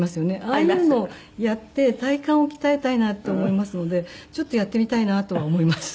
ああいうのをやって体幹を鍛えたいなと思いますのでちょっとやってみたいなとは思います。